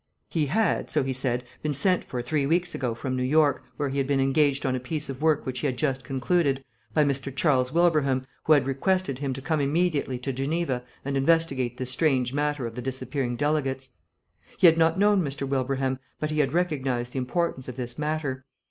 He had, so he said, been sent for three weeks ago from New York, where he had been engaged on a piece of work which he had just concluded, by Mr. Charles Wilbraham, who had requested him to come immediately to Geneva and investigate this strange matter of the disappearing delegates. He had not known Mr. Wilbraham, but he had recognised the importance of this matter.